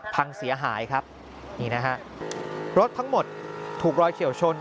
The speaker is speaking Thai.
พังเสียหายครับนี่นะฮะรถทั้งหมดถูกรอยเฉียวชน